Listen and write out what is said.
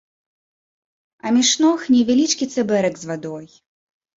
А між ног невялічкі цабэрак з вадой.